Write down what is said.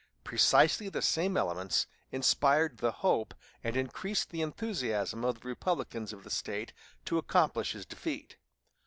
Precisely the same elements inspired the hope and increased the enthusiasm of the Republicans of the State to accomplish his defeat.